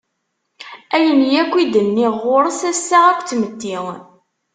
Ayen yakk i d-nniɣ, ɣur-s assaɣ akked tmetti.